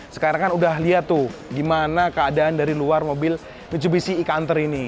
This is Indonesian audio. sekarang kan udah lihat tuh gimana keadaan dari luar mobil mitsubisi e counter ini